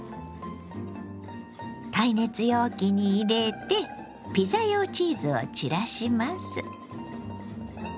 耐熱容器に入れてピザ用チーズを散らします。